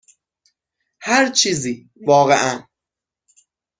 هر چیزی، واقعا.